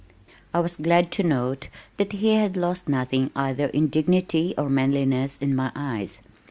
I was glad to note that he had lost nothing either in dignity or manliness in my eyes.